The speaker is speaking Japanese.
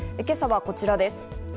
今朝はこちらです。